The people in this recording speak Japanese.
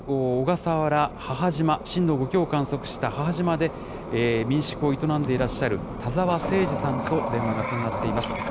小笠原・母島、震度５強を観測した母島で民宿を営んでいらっしゃる、田澤誠治さんと電話がつながっています。